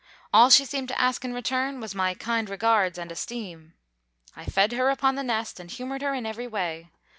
All she seemed to ask in return was my kind regards and esteem. I fed her upon the nest and humored her in every way.